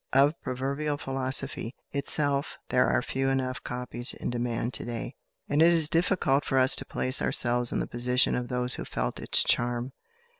Of "Proverbial Philosophy" itself there are few enough copies in demand to day, and it is difficult for us to place ourselves in the position of those who felt its charm.